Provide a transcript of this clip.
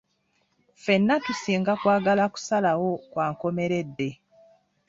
Ffenna tusinga kwagala kusalawo kwa nkomeredde.